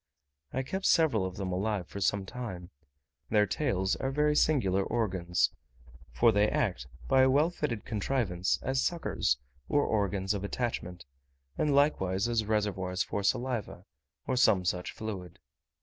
I kept several of them alive for some time: their tails are very singular organs, for they act, by a well fitted contrivance, as suckers or organs of attachment, and likewise as reservoirs for saliva, or some such fluid.